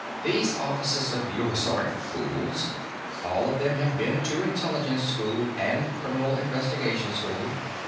"These officers of yours aren't fools. All of them have been to Intelligence School and Criminal Investigation School.